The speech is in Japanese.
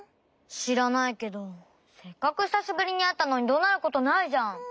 しらないけどせっかくひさしぶりにあったのにどなることないじゃん！